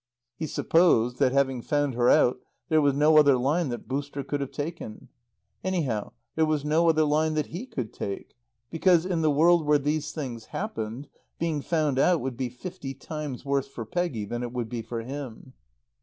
He supposed that, having found her out, there was no other line that "Booster" could have taken. Anyhow, there was no other line that he could take; because, in the world where these things happened, being found out would be fifty times worse for Peggy than it would be for him.